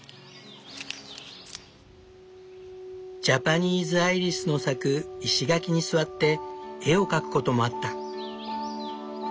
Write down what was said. ジャパニーズアイリスの咲く石垣に座って絵を描くこともあった。